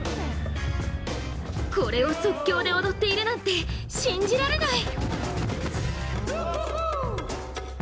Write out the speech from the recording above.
これを即興で踊っているなんて信じられない！